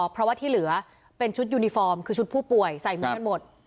เพราะว่าที่เหลือเป็นชุดยูนิฟอร์มคือชุดผู้ป่วยใส่เหมือนกันหมด